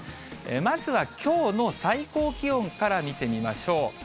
まずはきょうの最高気温から見てみましょう。